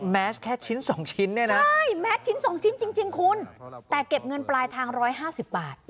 แมสแค่ชิ้น๒ชิ้นเนี่ยนะใช่แมสชิ้น๒ชิ้นจริงคุณแต่เก็บเงินปลายทาง๑๕๐บาท